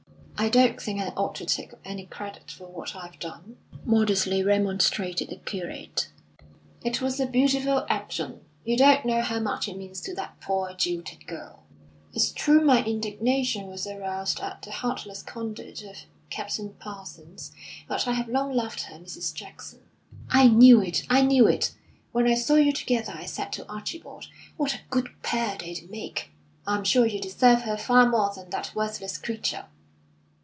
"I don't think I ought to take any credit for what I've done," modestly remonstrated the curate. "It was a beautiful action. You don't know how much it means to that poor, jilted girl." "It's true my indignation was aroused at the heartless conduct of Captain Parsons; but I have long loved her, Mrs. Jackson." "I knew it; I knew it! When I saw you together I said to Archibald: 'What a good pair they'd make!' I'm sure you deserve her far more than that worthless creature."